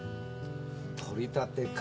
取り立てか。